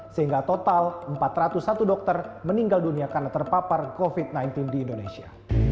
sehingga total empat ratus satu dokter meninggal dunia karena terpapar covid sembilan belas di indonesia